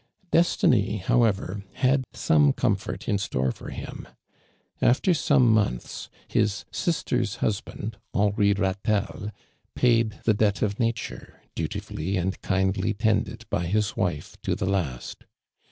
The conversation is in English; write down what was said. Destiny, however, had some comfort in store for him. After some months, liis sister's husband, Henri Kaielle, paid the debt of nature, dutifully and kindly tended by his wife to the last.